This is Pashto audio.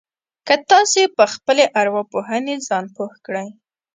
که تاسې په خپلې ارواپوهنې ځان پوه کړئ.